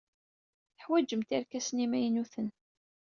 Teḥwajemt irkasen imaynuten.